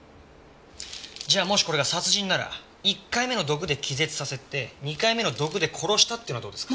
じゃあもしこれが殺人なら１回目の毒で気絶させて２回目の毒で殺したっていうのはどうですか？